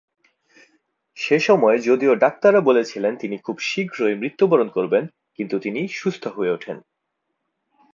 সেমময় যদিও ডাক্তাররা বলেছিলেন তিনি খুব শীঘ্রই মৃত্যুবরণ করবেন কিন্তু তিনি সুস্থ হয়ে উঠেন।